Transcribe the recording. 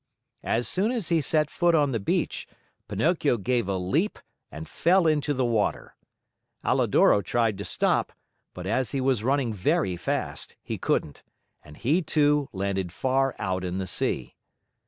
As soon as he set foot on the beach, Pinocchio gave a leap and fell into the water. Alidoro tried to stop, but as he was running very fast, he couldn't, and he, too, landed far out in the sea.